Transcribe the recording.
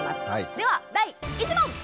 では第１問！